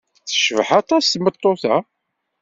Tecbeḥ aṭas tmeṭṭut-a.